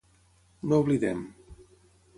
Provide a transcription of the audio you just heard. No oblidem.